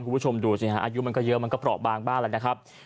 คุณผู้ชมดูสิฮะอายุมันก็เยอะมันก็เปราะบางบ้านแล้วนะครับ